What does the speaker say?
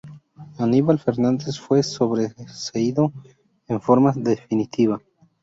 Aníbal Fernández fue sobreseído en forma definitiva.